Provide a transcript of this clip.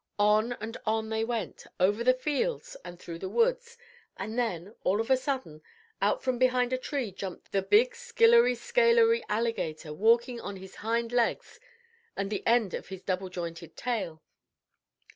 On and on they went, over the fields and through the woods and then, all of a sudden, out from behind a tree jumped the big skillery scalery alligator walking on his hind legs and the end of his double jointed tail.